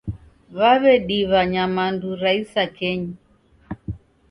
Wawediwa nyamandu ra isakenyi